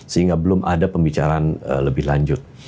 sehingga belum ada pembicaraan lebih lanjut